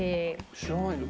知らないんだよ。